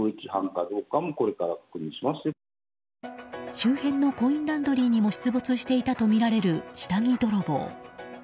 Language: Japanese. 周辺のコインランドリーにも出没していたとみられる下着泥棒。